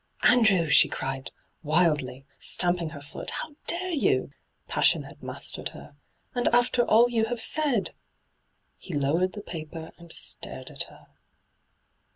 ' Andrew !' she cried, wildly, stamping her foot, ' how dare you?' Passion had mastered her. ' And after all you have said I' He lowered the paper and stared at her.